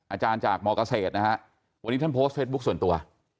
อาจารย์จากมเกษตรนะฮะวันนี้ท่านโพสต์เฟซบุ๊คส่วนตัว